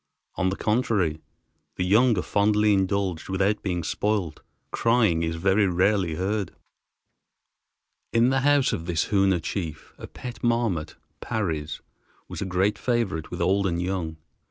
On the contrary the young are fondly indulged without being spoiled. Crying is very rarely heard. In the house of this Hoona chief a pet marmot (Parry's) was a great favorite with old and young.